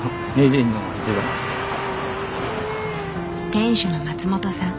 店主の松本さん